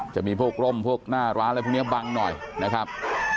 จะมีพวกร่มพวกนะร้ายให้พี่นี้วางหน่อยนะครับ